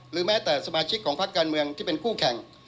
แม้แต่สมาชิกของพักการเมืองที่เป็นคู่แข่ง